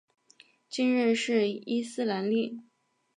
今日是伊斯兰历。